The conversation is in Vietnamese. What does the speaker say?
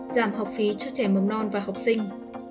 giảm học phí cho trẻ mầm non và học sinh